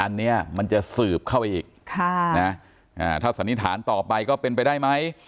อันนี้มันจะสืบเข้าไปอีกถ้าสันนิษฐานต่อไปก็เป็นไปได้ไหม